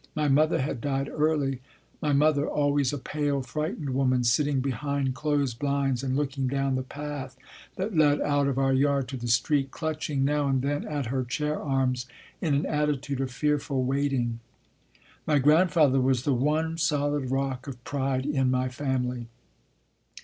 My mother had died early my mother, always a pale, frightened woman, sitting behind closed blinds and looking down the path that led out of our yard to the street, clutching now and then at her chair arms in an attitude of fearful wait ing. My grandfather was the one solid rock of pride in my family.